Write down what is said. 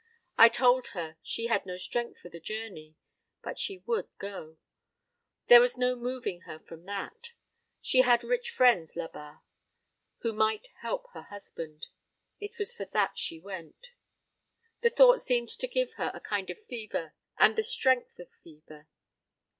I told her she had no strength for the journey; but she would go: there was no moving her from that. She had rich friends là bas, who might help her husband. It was for that she went. That thought seemed to give her a kind of fever, and the strength of fever."